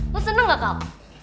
lu seneng gak kak